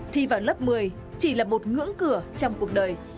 thi vào lớp một mươi chỉ là một ngưỡng cửa trong cuộc đời